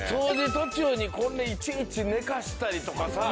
途中にこれいちいち寝かしたりとかさ